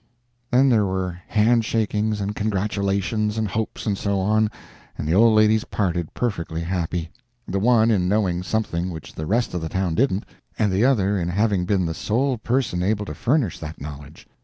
Then there were hand shakings, and congratulations, and hopes, and so on, and the old ladies parted, perfectly happy the one in knowing something which the rest of the town didn't, and the other in having been the sole person able to furnish that knowledge.